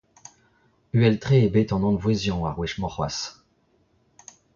Uhel-tre eo bet an anvouezhiañ ar wech-mañ c'hoazh.